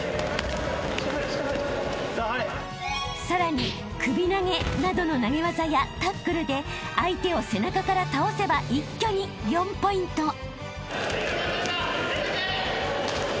［さらに首投げなどの投げ技やタックルで相手を背中から倒せば一挙に４ポイント］